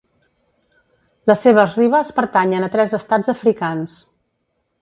Les seves ribes pertanyen a tres estats africans: